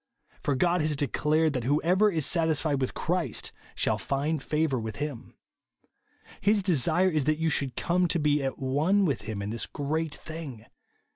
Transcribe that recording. For God has declared, that whoever is satisfied witli Christ shall find favDur with him. His desire is that you should come to be at one with him in this great thing.